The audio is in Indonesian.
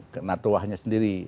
kena tuahnya sendiri